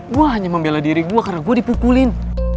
gue hanya membela diri gue karena gue dipukulin